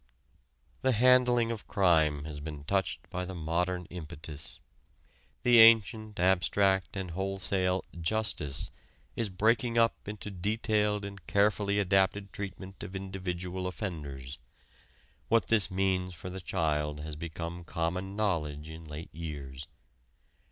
The handling of crime has been touched by the modern impetus. The ancient, abstract and wholesale "justice" is breaking up into detailed and carefully adapted treatment of individual offenders. What this means for the child has become common knowledge in late years.